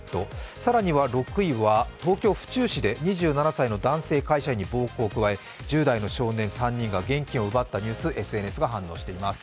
更には６位は東京・府中市で２７歳の男性会社員に暴行を加え１０代の少年３人が現金を奪ったニュース、ＳＮＳが反応しています。